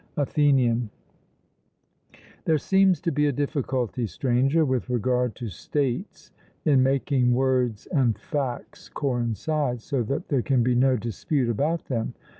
ATHENIAN: There seems to be a difficulty, Stranger, with regard to states, in making words and facts coincide so that there can be no dispute about them.